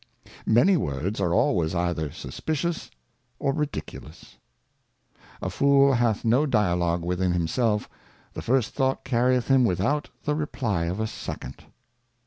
Many Words are always either suspicious or ridiculous. A Fool hath no Dialogue within himself, the first Thought carrieth him without the Reply of a second.